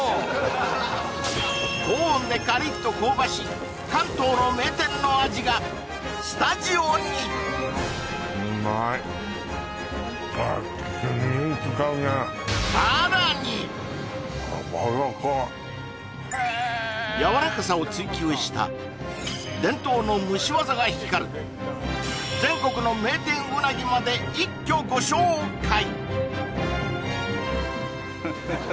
高温でカリッと香ばしい関東の名店の味がスタジオにやわらかさを追求した伝統の蒸し技が光る全国の名店うなぎまで一挙ご紹介！